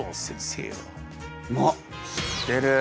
あっ知ってる。